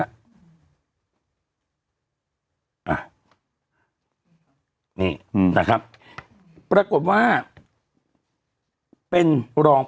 เราก็มีความหวังอะ